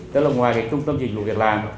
tức là ngoài trung tâm dịch vụ việc làm